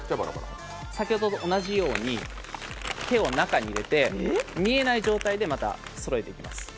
先ほどと同じように手を中に入れて見えない状態でまた、そろえていきます。